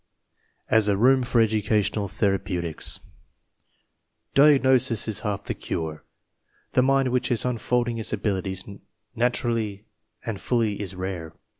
AS A ROOM FOR EDUCATIONAL THERAPEUTICS "Diagnosis is half the cure." The mind which is un folding its abilities naturally and fully is rare.